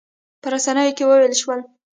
په رسنیو کې وویل شول.